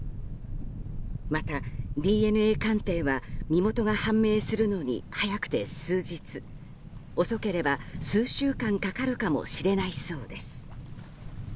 また、ＤＮＡ鑑定は身元が判明するのに早くて数日、遅ければ数週間かかるかもしれないそうです。